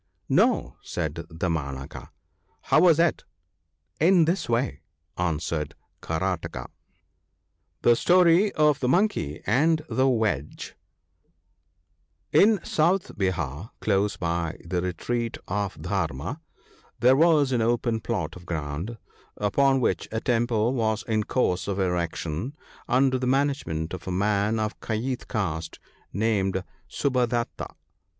' No !' said Damanaka. ' How was it ?'' In this way/ answered Karataka :— @Hje £torp of dje Mnv&t^ anii tlje N South Behar, close by the retreat of Dharmma (™), there was an open plot of ground, upon which a temple was in course of erection, under the management of a man of the Kayeth caste ( i3 ), named Subhadatta.